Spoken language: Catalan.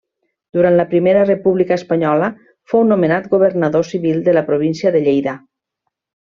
Durant la Primera República Espanyola fou nomenat governador civil de la província de Lleida.